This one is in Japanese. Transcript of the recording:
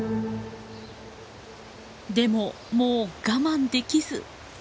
でももう我慢できず。